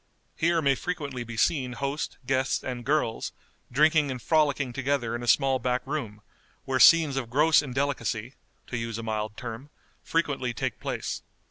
Here may frequently be seen host, guests, and girls, drinking and frolicking together in a small back room, where scenes of gross indelicacy (to use a mild term) frequently take place.